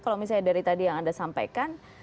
kalau misalnya dari tadi yang anda sampaikan